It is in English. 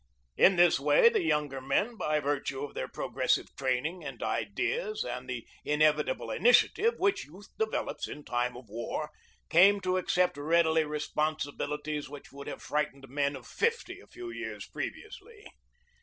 In this way the younger men, by virtue of their progressive training and ideas and the inevita ble initiative, which youth develops in time of war, came to accept readily responsibilities which would have frightened men of fifty a few years previously.